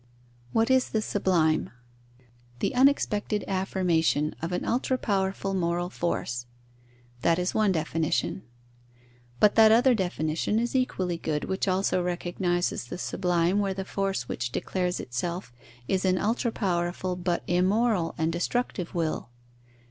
_ What is the sublime? The unexpected affirmation of an ultra powerful moral force: that is one definition. But that other definition is equally good, which also recognizes the sublime where the force which declares itself is an ultra powerful, but immoral and destructive will.